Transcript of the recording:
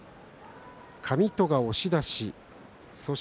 上戸は押し出し。